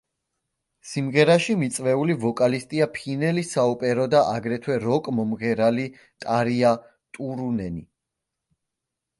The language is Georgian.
სიმღერაში მიწვეული ვოკალისტია ფინელი საოპერო და აგრეთვე როკ-მომღერალი ტარია ტურუნენი.